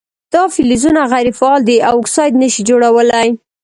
دا فلزونه غیر فعال دي او اکساید نه شي جوړولی.